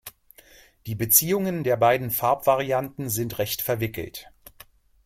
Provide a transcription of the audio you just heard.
Die Beziehungen der beiden Farbvarianten sind recht verwickelt.